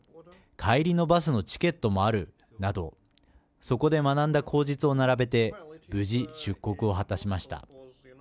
帰りのバスのチケットもあるなどそこで学んだ口実を並べて無事、出国を果たしました。